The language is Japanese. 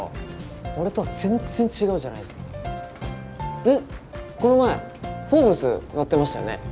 俺とは全然違うじゃないですかうんっこの前「Ｆｏｒｂｅｓ」載ってましたよね